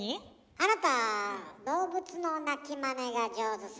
あなた動物の鳴きまねが上手そうね。